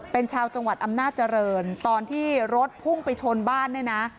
เป็นชาวจังหวัดอำนาจริงตอนที่รถพุ่งไปชนบ้านเนี่ยนะ